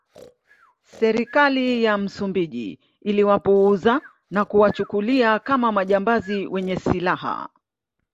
Serikali ya Msumbiji iliwapuuza na kuwachukulia kama majambazi wenye silaha